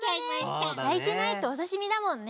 やいてないとおさしみだもんね。